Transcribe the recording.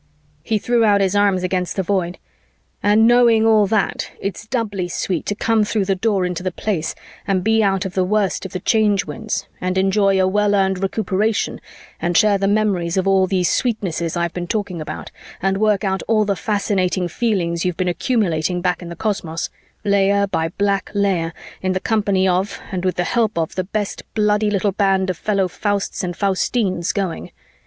He threw out his arms against the Void. "And knowing all that, it's doubly sweet to come through the Door into the Place and be out of the worst of the Change Winds and enjoy a well earned Recuperation and share the memories of all these sweetnesses I've been talking about, and work out all the fascinating feelings you've been accumulating back in the cosmos, layer by black layer, in the company of and with the help of the best bloody little band of fellow Fausts and Faustines going!